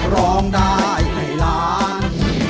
ร้องได้ให้ล้าน